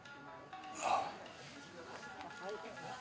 ああ。